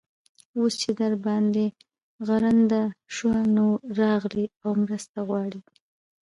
اوس چې در باندې غرنده شوه؛ نو، راغلې او مرسته غواړې.